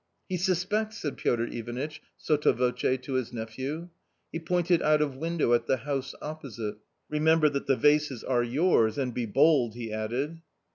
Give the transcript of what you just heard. "He suspects!" said Piotr Ivanitch, sotto voce^ to his nephew. He pointed out of window at the house opposite. " Remember that the vases are yours, and be bold," he added.